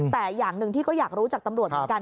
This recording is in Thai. แต่อย่างหนึ่งที่ก็อยากรู้จากตำรวจเหมือนกัน